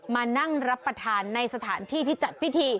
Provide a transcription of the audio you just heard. มานั่งรับประทานในสถานที่ที่จัดพิธี